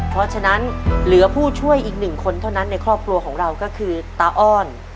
เพราะฉะนั้นเหลือผู้ช่วยอีกหนึ่งคนเท่านั้นในครอบครัวของเราก็คือตาอ้อน